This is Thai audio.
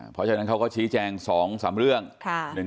เพราะฉะนั้นเขาก็ชี้แจง๒๓เรื่อง